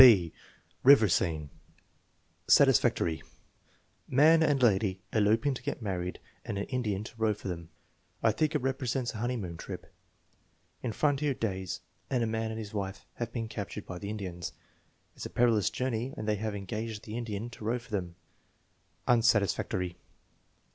(5) River Scene Satisfactory. "Man and lady eloping to get married and an Indian to row for them." "I think it represents a honeymoon trip." " In frontier days and a man and his wife have been captured by the Indians." "It's a perilous journey and they have engaged the Indian to row for them." Unsatisfactory.